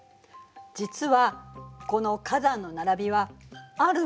実はこの火山の並びはある